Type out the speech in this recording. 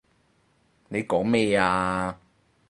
你講咩啊？